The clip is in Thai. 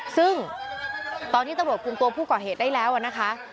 ซึ่งตอนที่ตำรวจคุมตัวผู้ก่อเหตุได้แล้วนะคะ